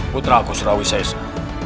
putraku surawi sesa